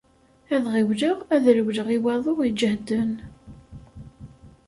Ad ɣiwleɣ, ad rewleɣ i waḍu iǧehden.